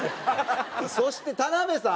そして田辺さん。